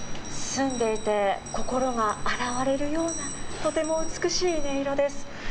澄んでいて、心が洗われるような、とても美しい音色です。